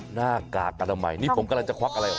หน้ากากอนามัยนี่ผมกำลังจะควักอะไรห